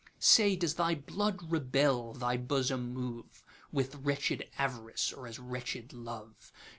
Say, does thy blood rebel, thy bosom moveWith wretched Av'rice, or as wretched Love?